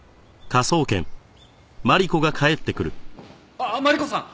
あっマリコさん！